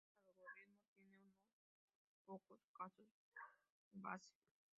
Este algoritmo tiene unos pocos casos base.